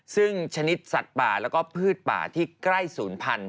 ซึ่งชนิดสัตว์ป่าและพืชป่าที่ใกล้๐๐๐๐